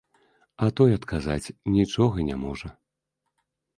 А той адказаць нічога не можа.